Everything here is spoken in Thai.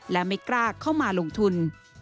และไม่กล้าเข้ามาลงทุน